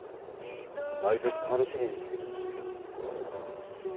毎年楽しみにしてるんですよ。